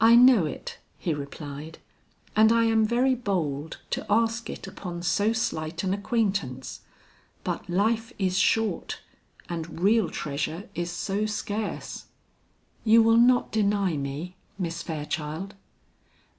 "I know it," he replied, "and I am very bold to ask it upon so slight an acquaintance; but life is short and real treasure is so scarce. You will not deny me, Miss Fairchild?"